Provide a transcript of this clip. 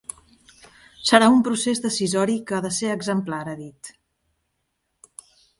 Serà un procés decisori que ha de ser exemplar, ha dit.